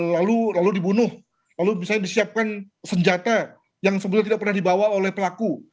lalu dibunuh lalu misalnya disiapkan senjata yang sebelumnya tidak pernah dibawa oleh pelaku